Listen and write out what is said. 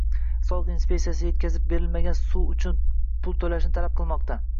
soliq inspeksiyasi yetkazib berilmagan suv uchun pul to‘lashni talab qilmoqda.